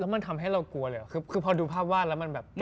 แล้วมันทำให้เรากลัวเลยเหรอคือพอดูภาพวาดแล้วมันเก็บไปคิดไป